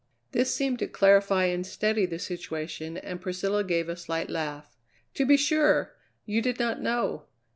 This seemed to clarify and steady the situation and Priscilla gave a slight laugh: "To be sure. You did not know.